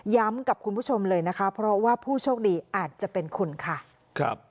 กับคุณผู้ชมเลยนะคะเพราะว่าผู้โชคดีอาจจะเป็นคุณค่ะครับ